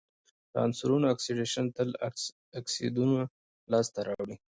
د عنصرونو اکسیدیشن تل اکسایدونه لاسته راوړي.